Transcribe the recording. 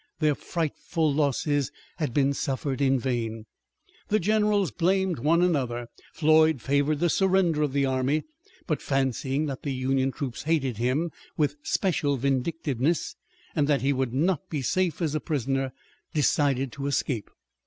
Their frightful losses had been suffered in vain. The generals blamed one another. Floyd favored the surrender of the army, but fancying that the Union troops hated him with special vindictiveness, and that he would not be safe as a prisoner, decided to escape.